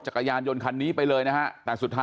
โหว่หลมมีเจอขอว่า